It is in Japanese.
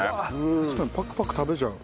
確かにパクパク食べちゃう。